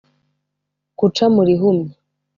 guca mu rihumye